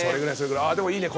でもいいね